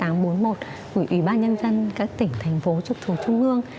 người ủy ban nhân dân các tỉnh thành phố chục thủ trung ương